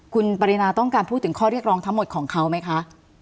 คุณปรินาต้องการพูดถึงข้อเรียกร้องทั้งหมดของเขาไหมคะ